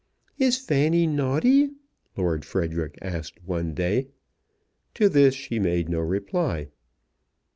"Is Fanny naughty?" Lord Frederic asked one day. To this she made no reply.